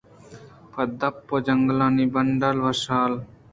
پہ دپ ءَ جنگانی بٹال وشّاں